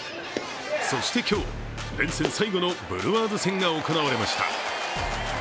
そして今日、連戦最後のブルワーズ戦が行われました。